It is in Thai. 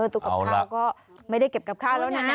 ตู้กับข้าวก็ไม่ได้เก็บกับข้าวแล้วนะ